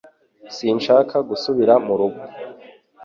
Sinshaka gusubira mu rugo